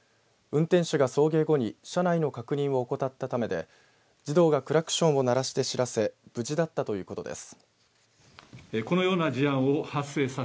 運転手が送迎後に車内の確認を怠ったためで児童がクラクションを鳴らして知らせ無事だったということです。